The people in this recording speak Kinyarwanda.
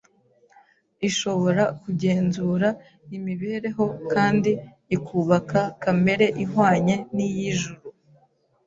ishobora kugenzura imibereho kandi ikubaka kamere ihwanye n’iy’ijuru.